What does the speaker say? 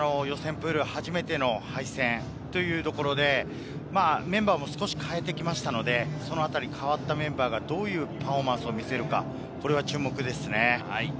プール初めての敗戦というところで、メンバーも少し変えてきましたので、代わったメンバーがどういうパフォーマンスを見せるのか注目ですね。